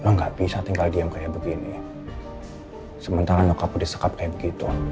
nggak bisa tinggal diam kayak begini sementara nyokap disekap kayak gitu